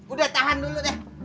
udah tahan dulu deh